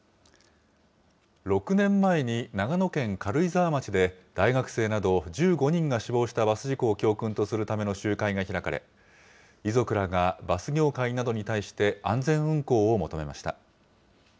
６年前に長野県軽井沢町で、大学生など１５人が死亡したバス事故を教訓とするための集会が開かれ、遺族らがバス業界などに対して安全運行を求めました。